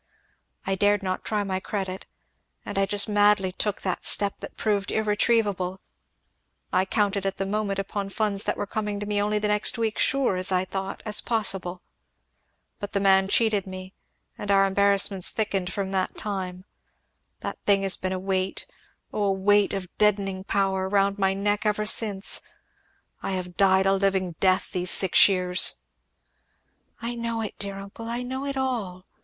I dared not try my credit, and I just madly took that step that proved irretrievable I counted at the moment upon funds that were coming to me only the next week, sure, I thought, as possible, but the man cheated me, and our embarrassments thickened from that time; that thing has been a weight oh a weight of deadening power! round my neck ever since. I have died a living death these six years! " "I know it, dear uncle I know it all!"